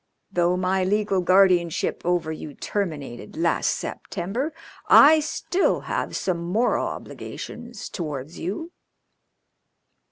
Though my legal guardianship over you terminated last September I still have some moral obligations towards you.